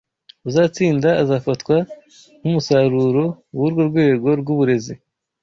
Uzatsinda azafatwa nkumusaruro wurwo rwego rwuburezi